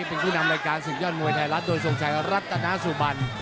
เป็นผู้นำรายการศึกยอดมวยไทยรัฐโดยทรงชัยรัตนาสุบัน